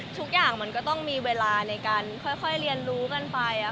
ทุกอย่างมันก็ต้องมีเวลาในการค่อยเรียนรู้กันไป